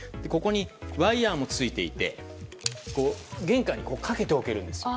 ワイヤもついていて玄関にかけておけるんですよ。